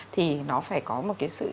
thì nó phải có một cái sự